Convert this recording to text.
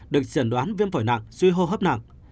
được chẩn đoán viêm phổi nặng suy hô hấp nặng